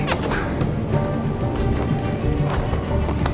semoga ada yang bahagia